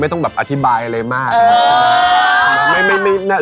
ไม่ต้องแบบอธิบายอะไรมาก